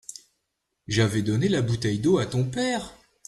J'avais donné la bouteille d'eau à ton père.